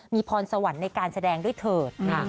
มีพรสวรรค์ในการแสดงด้วยเถิด